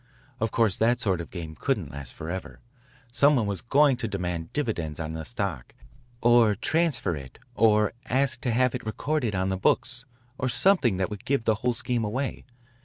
Of course that sort of game couldn't last forever. Some one was going to demand dividends on his stock, or transfer it, or ask to have it recorded on the books, or something that would give the whole scheme away.